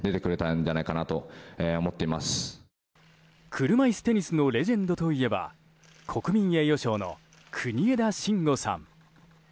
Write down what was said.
車いすテニスのレジェンドといえば国民栄誉賞の国枝慎吾さん。